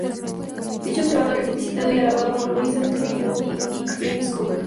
Dicho observatorio fue visitado y alabado por Louis Antoine de Bougainville y James Cook.